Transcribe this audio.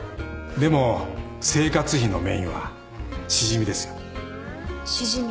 でも生活費のメインはシジミですよ。シジミ？